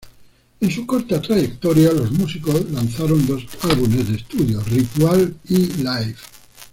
En su corta trayectoria, los músicos lanzaron dos álbumes de estudio: "Ritual" y "Life.